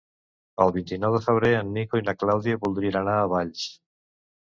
El vint-i-nou de febrer en Nico i na Clàudia voldrien anar a Valls.